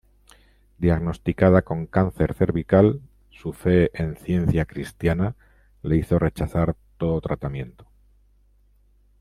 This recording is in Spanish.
Diagnosticada con cáncer cervical, su fe en Ciencia Cristiana le hizo rechazar todo tratamiento.